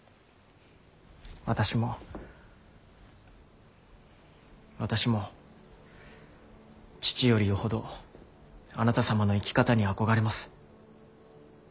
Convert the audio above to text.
私も私も父よりよほどあなた様の生き方に憧れます。